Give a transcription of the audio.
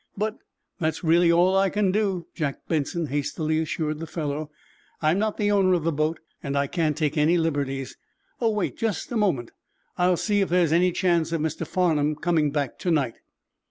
"But—" "That's really all I can do," Jack Benson hastily assured the fellow. "I'm not the owner of the boat, and I can't take any liberties. Oh, wait just a moment. I'll see if there's any chance of Mr. Farnum coming back to night."